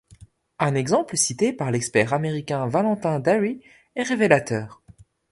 Un exemple cité par l'expert américain Valentin Darry est révélateur.